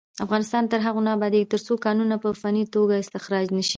افغانستان تر هغو نه ابادیږي، ترڅو کانونه په فني توګه استخراج نشي.